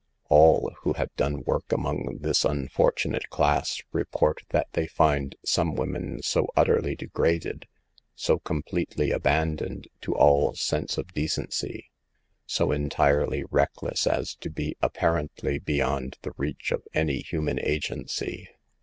All who have done work among this unfortunate class, report that they find some women so utterly degraded, so completely abandoned to all sense of decency, so entirely reckless as to be, apparently, beyond the reach of any human agency.